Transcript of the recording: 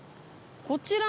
こちら、